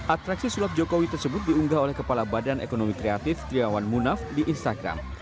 atraksi sulap jokowi tersebut diunggah oleh kepala badan ekonomi kreatif triawan munaf di instagram